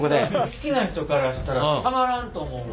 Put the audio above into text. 好きな人からしたらたまらんと思うわ。